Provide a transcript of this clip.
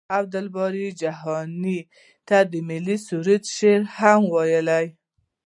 عبدالباري جهاني ته د ملي سرود شاعر هم وايي.